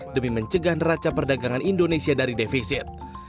demi mencegah neraca perdagangan indonesia dari defisit